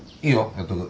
やっとく。